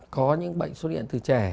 có những bệnh xóa điện từ trẻ